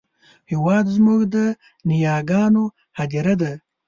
هېواد زموږ د نیاګانو هدیره ده